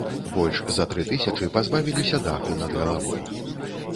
Больш за тры тысячы пазбавіліся даху над галавой.